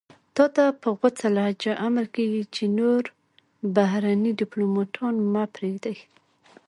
تاته په غوڅه لهجه امر کېږي چې نور بهرني دیپلوماتان مه پرېږدئ.